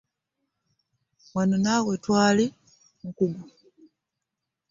Wano naawe tewali mukugu.